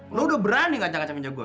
hah lo udah berani ngacak ngacak meja gue